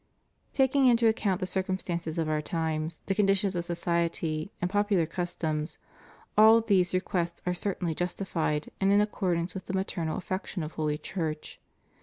Taking into account the circumstances of our times, the conditions of society, and popular customs, all these re quests are certainly justified and in accordance with the maternal affection of Holy Church.